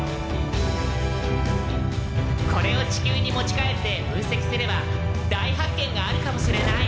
これを地球に持ち帰って分せきすれば大発見があるかもしれない。